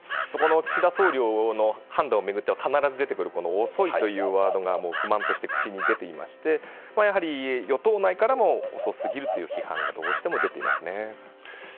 岸田総理の判断を巡っては必ず出てくる遅いというワードが不満として口に出ていまして与党内からも遅すぎるという批判がどうしても出ていますね。